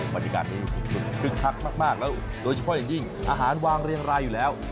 บรรยากาศนี้คึกคักมากแล้วโดยเฉพาะอย่างยิ่งอาหารวางเรียงรายอยู่แล้ว